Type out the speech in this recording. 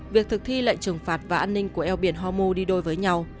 việc thực thi lệnh trừng phạt và an ninh của eo biển hormu đi đôi với nhau